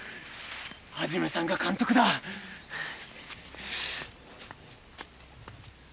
一さんが監督だよし。